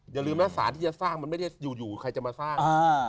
อย่าลืมนะสารที่จะสร้างมันไม่ได้อยู่ใครจะมาสร้าง